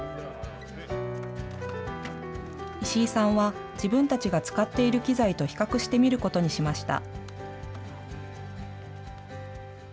石井さんは自分たちが使っている機材と比較してみることにしました。